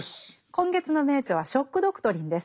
今月の名著は「ショック・ドクトリン」です。